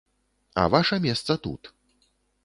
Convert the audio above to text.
А ваша месца тут.